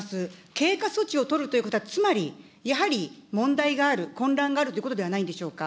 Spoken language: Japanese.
経過措置を取るということは、つまり、やはり問題がある、混乱があるということではないんでしょうか。